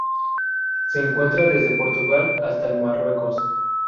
Se encuentra desde Portugal hasta el Marruecos.